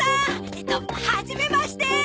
えっとはじめまして。